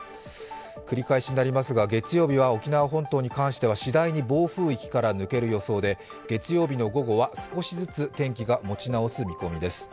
繰り返しになりますが、沖縄本島に関しては次第に暴風域から抜ける見込みで月曜日の午後は少しずつ天気が持ち直す見込みです。